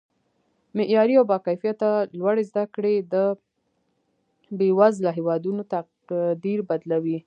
معیاري او با کیفته لوړې زده کړې د بیوزله هیوادونو تقدیر بدلوي